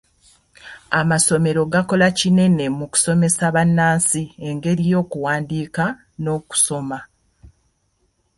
Amasomero gakola kinene mu kusomesa bannansi engeri y'okuwandiika n'okusoma.